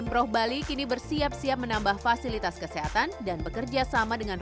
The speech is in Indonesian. pemprov bali kini bersiap siap menambah fasilitas kesehatan dan bekerja sama dengan